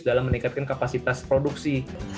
dalam meningkatkan kapasitas produksi